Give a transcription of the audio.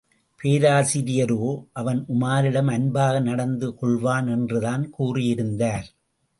பேராசிரியரோ, அவன் உமாரிடம் அன்பாக நடந்து கொள்வான் என்றுதான் கூறியிருந்தார்.